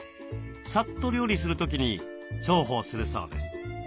さっと料理する時に重宝するそうです。